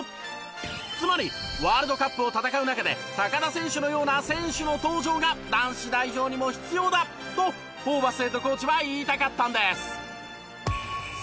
つまりワールドカップを戦う中で田選手のような選手の登場が男子代表にも必要だ！とホーバスヘッドコーチは言いたかったんです！